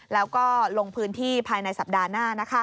แล้วก็ลงพื้นที่ภายในสัปดาห์หน้า